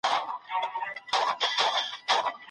تاریخ باید په بې طرفه منظر کي وڅېړل سي.